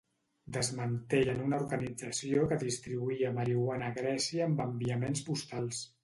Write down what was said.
Desmantellen una organització que distribuïa marihuana a Grècia amb enviaments postals.